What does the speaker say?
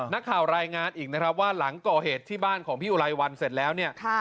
นักข่าวรายงานอีกนะครับว่าหลังก่อเหตุที่บ้านของพี่อุลายวันเสร็จแล้ว